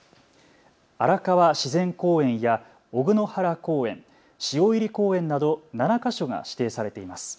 荒川自然公園や尾久の原公園、汐入公園など７か所が指定されています。